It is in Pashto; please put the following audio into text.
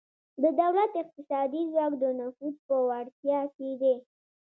د دولت اقتصادي ځواک د نفوذ په وړتیا کې دی